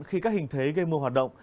khi các hình thế gây mưa hoạt động